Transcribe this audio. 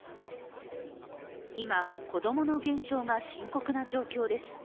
今、子供の減少が深刻な状況です。